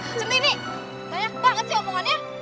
centini banyak banget sih omongannya